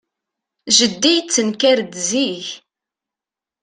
Jeddi yettenkar-d zik.